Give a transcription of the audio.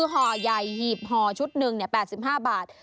หอใหญ่หีบหอชุดหนึ่งเนี่ย๘๕บาท